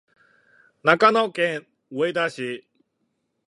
長野県上田市